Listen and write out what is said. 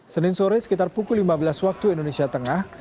senin sore sekitar pukul lima belas waktu indonesia tengah